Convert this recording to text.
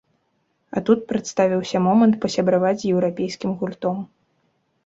А тут прадставіўся момант пасябраваць з еўрапейскім гуртом.